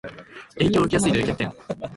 影響を受けやすいという欠点